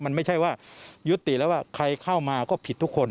มันไม่ใช่ว่ายุติแล้วว่าใครเข้ามาก็ผิดทุกคน